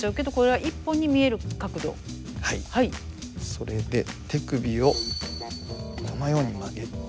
それで手首をこのように曲げて。